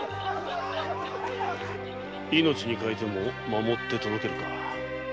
命に代えても守って届けるか。